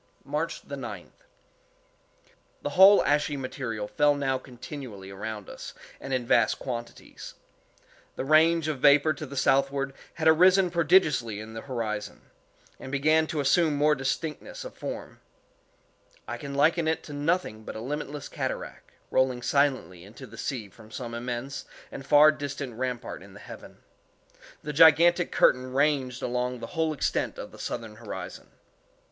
March 9th. The whole ashy material fell now continually around us, and in vast quantities. The range of vapor to the southward had arisen prodigiously in the horizon, and began to assume more distinctness of form. I can liken it to nothing but a limitless cataract, rolling silently into the sea from some immense and far distant rampart in the heaven. The gigantic curtain ranged along the whole extent of the southern horizon.